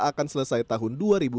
akan selesai tahun dua ribu dua puluh